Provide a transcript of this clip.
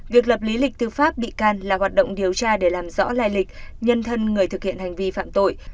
việc lập lý lịch tư pháp bị can là hoạt động điều tra để làm rõ lai lịch nhân thân người thực hiện hành vi phạm tội